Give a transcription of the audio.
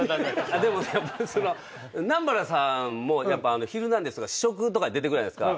でもやっぱり南原さんもやっぱ「ヒルナンデス！」とか試食とか出てくるじゃないですか。